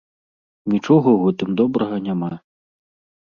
Нічога ў гэтым добрага няма.